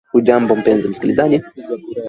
ni mtazamo wake ojwang nagina